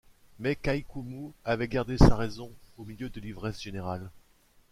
Mais Kai-Koumou avait gardé sa raison au milieu de l’ivresse générale.